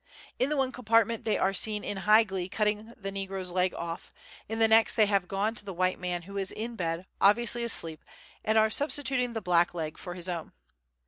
In the one compartment they are seen in high glee cutting the negro's leg off. In the next they have gone to the white man who is in bed, obviously asleep, and are substituting the black leg for his own.